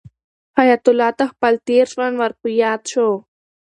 حیات الله ته خپل تېر ژوند ور په یاد شو.